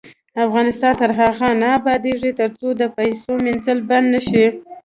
افغانستان تر هغو نه ابادیږي، ترڅو د پیسو مینځل بند نشي.